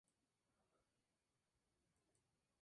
El "Indio" Solari fue un mediocampista.